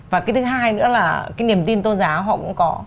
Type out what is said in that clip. và cái thứ hai nữa là cái niềm tin tôn giáo họ cũng có